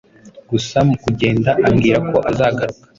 gusa mu kugenda ambwira ko azagaruka